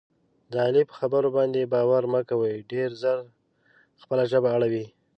د علي په خبرو باندې باور مه کوئ. ډېر زر خپله ژبه اړوي.